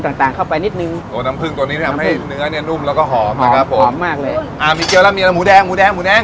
วก็ใส่น้ำพึงเข้าไปแล้วก็เครื่องฟูงต่าง